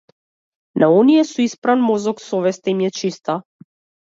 На оние со испран мозок совеста им е чиста.